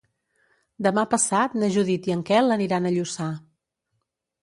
Demà passat na Judit i en Quel aniran a Lluçà.